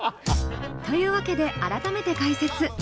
というわけで改めて解説。